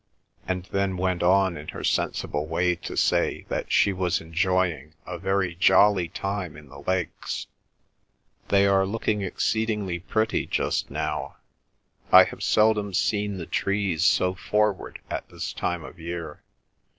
And then went on in her sensible way to say that she was enjoying a very jolly time in the Lakes. "They are looking exceedingly pretty just now. I have seldom seen the trees so forward at this time of year.